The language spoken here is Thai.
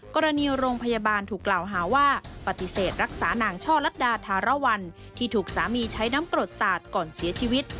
กรณีโรงพยาบาลถูกกล่าวหาว่าปฏิเสธรักษานางช่อลัดดาธารวรรณที่ถูกสามีใช้น้ำกรดสาดก่อนเสียชีวิต